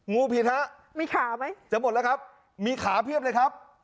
งูผิดฮะมีขาไหมจะหมดแล้วครับมีขาเพียบเลยครับ